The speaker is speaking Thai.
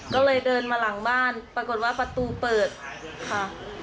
ก็เลยเดินมาหลังบ้านปรากฏว่าประตูเปิดค่ะ